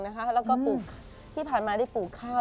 แล้วก็ปลูกที่ผ่านมาได้ปลูกข้าว